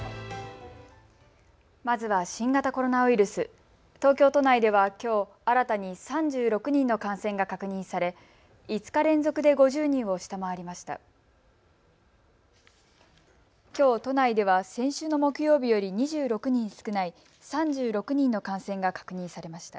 まずは新型コロナウイルス、東京都内ではきょう、新たに３６人の感染が確認され５日連続で５０人を下回りました。